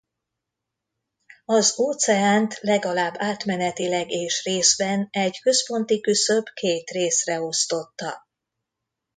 Az óceánt legalább átmenetileg és részben egy központi küszöb két részre osztotta.